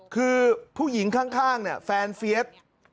คือผู้หญิงข้างแฟนเฟียด